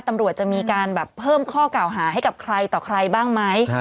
ตำรวจจะมีการแบบเพิ่มข้อเก่าหาให้กับใครต่อใครบ้างไหม